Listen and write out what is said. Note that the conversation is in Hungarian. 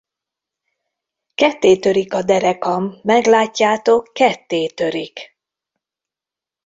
Kettétörik a derekam, meglátjátok, kettétörik!